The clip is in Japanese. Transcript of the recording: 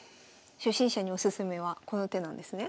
初心者におすすめはこの手なんですね？